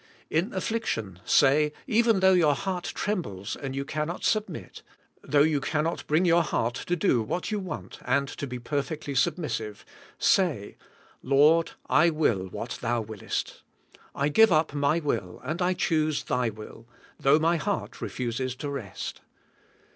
In affliction say, even thoug*h your heart tiembles and you cannot submit; thoug"h you cannot bring* your heart to do what you want and to be perfectly submissive; say, "Lord, I will what Thou wiliest. I g ive up my will and I choose Thy will, thoug^h my heart refuses to rest."